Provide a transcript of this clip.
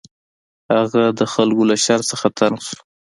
هغه د خلکو له شر څخه تنګ شو.